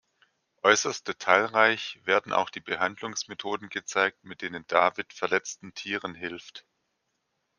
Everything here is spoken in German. Äußerst detailreich werden auch die Behandlungsmethoden gezeigt, mit denen David verletzten Tieren hilft.